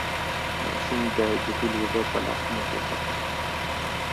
ماشوم د جهيل اوبه په لاسونو پورته کړې.